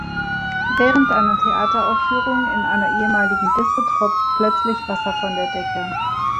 Während einer Theateraufführung in einer ehemaligen Disko tropft plötzlich Wasser von der Decke.